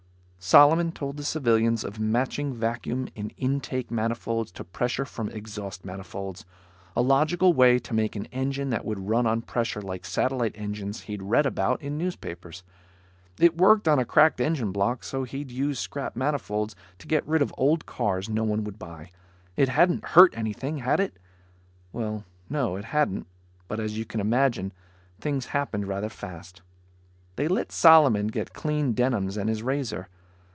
Solomon told the civilians of matching vacuum in intake manifolds to pressure from exhaust manifolds. A logical way to make an engine that would run on pressure, like satellite engines he'd read about in newspapers. It worked on a cracked engine block, so he'd used scrap manifolds to get rid of old cars no one would buy. It hadn't hurt anything, had it? Well, no, it hadn't. But as you can imagine, things happened rather fast. They let Solomon get clean denims and his razor.